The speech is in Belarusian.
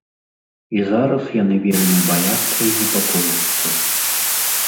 І зараз яны вельмі баяцца і непакояцца.